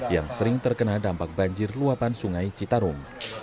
yang sering terkena dampak banjir luapan sungai citarum